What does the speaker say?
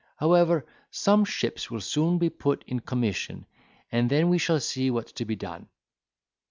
However, some ships will soon be put in commission, and then we shall see what's to be done."